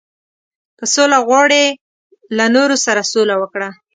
• که سوله غواړې، له نورو سره سوله وکړه.